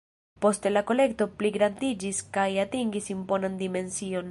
Poste la kolekto pligrandiĝis kaj atingis imponan dimension.